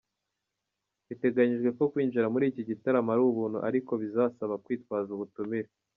Biteganyijwe ko kwinjira muri iki gitaramo ari ubuntu ariko bizasaba kwitwaza ubutumire.